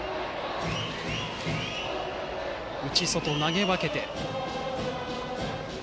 内、外投げ分けて。